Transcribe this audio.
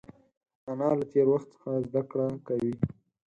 انا له تېر وخت څخه زده کړه کوي